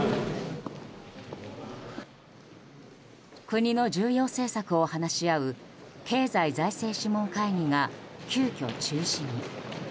国の重要政策を話し合う経済財政諮問会議が急きょ中止に。